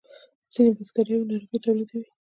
ځینې بکتریاوې ناروغۍ تولیدوي